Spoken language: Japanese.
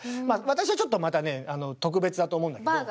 私はちょっとまたねあの特別だと思うんだけど。